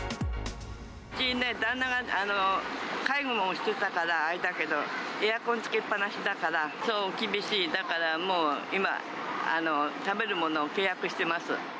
うちね、旦那が介護をしてたからあれだけど、エアコンつけっぱなしだから、そう、厳しい、だからもう今、食べるものも倹約してます。